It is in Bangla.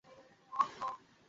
কে আমাদের ন্যায় দিবে?